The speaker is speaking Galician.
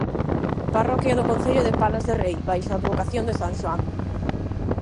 Parroquia do concello de Palas de Rei baixo a advocación de san Xoán.